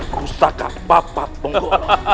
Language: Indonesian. kusaka bapak ponggol